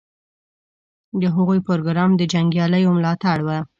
د هغوی پروګرام د جنګیالیو ملاتړ و.